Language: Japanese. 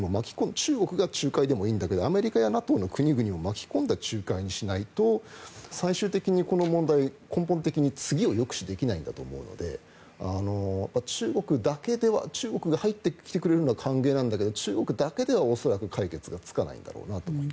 中国が仲介でもいいけどアメリカやＮＡＴＯも巻き込んだ仲介にしないと最終的にこの問題、根本的に次を抑止できないだと思うので中国が入ってきてくれるのは歓迎なんだけど中国だけでは恐らく解決がつかないんだろうなと思います。